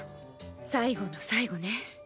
最後の最後ね。